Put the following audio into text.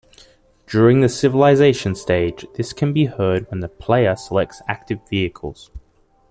During the Civilization stage, this can be heard when the player selects active vehicles.